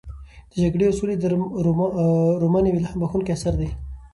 د جګړې او سولې رومان یو الهام بښونکی اثر دی.